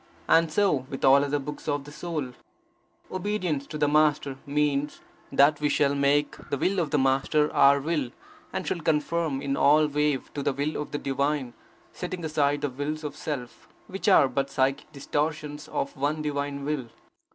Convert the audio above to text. And so with all other books of the Soul. Obedience to the Master means, that we shall make the will of the Master our will, and shall confirm in all wave to the will of the Divine, setting aside the wills of self, which are but psychic distortions of the one Divine Will.